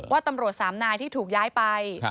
ว่าตำรวจสามนายที่ถูกย้ายไป